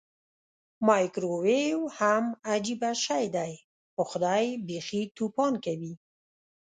مایکرو ویو هم عجبه شی دی پخدای بیخې توپان کوي.